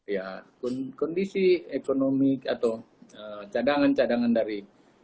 ya kondisi ekonomi atau cadangan cadangan dari